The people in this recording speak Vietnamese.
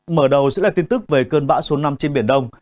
mở đầu sẽ là tin tức về cơn bão số năm trên biển đông